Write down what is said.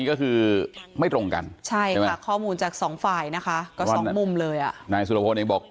ก็ให้มันรับกรรมของมันไป